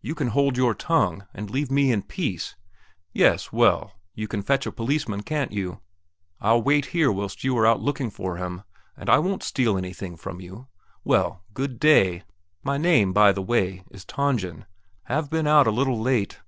You can hold your tongue, and leave me in peace.... Yes, well, you can fetch a policeman, can't you? I'll wait here whilst you are out looking for him, and I won't steal anything from you. Well, good day! Good day! My name, by the way, is Tangen; have been out a little late.